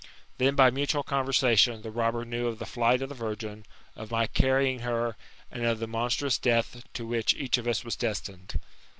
Then, by mutual conversation, the robber knew of the flight of the virgin, of my carrying her, and of the monstrous death to which each of us was destined.